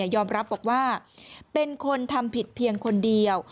ยอมรับบอกว่าเป็นคนทำผิดเพียงคนเดียว